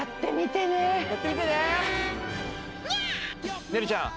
ねるちゃん。